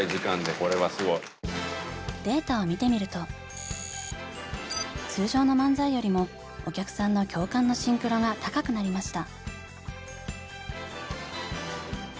データを見てみると通常の漫才よりもお客さんの共感のシンクロが高くなりました。